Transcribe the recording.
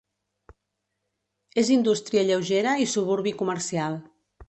És indústria lleugera i suburbi comercial.